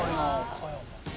岡山。